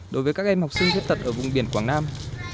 đối với các em học sinh thiết tật ở vùng biển quảng nam